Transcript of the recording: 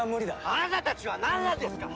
あなたたちはなんなんですか！？